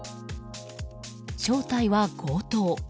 正体は強盗。